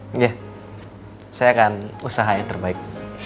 iya saya akan usaha yang terbaik